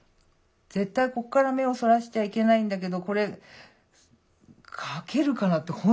絶対ここから目をそらしちゃいけないんだけどこれ描けるかなって